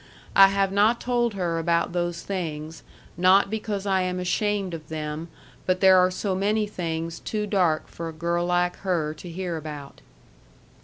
I have not told her about those things not because I am ashamed of them but there are so many things too dark for a girl like her to hear about.